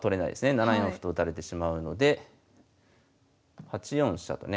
７四歩と打たれてしまうので８四飛車とね。